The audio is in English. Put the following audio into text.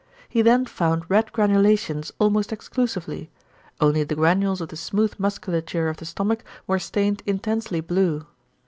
He then found red granulations almost exclusively, only the granules of the smooth musculature of the stomach were stained intensely blue.